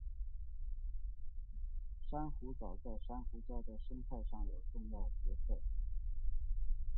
珊瑚藻在珊瑚礁的生态上有重要角色。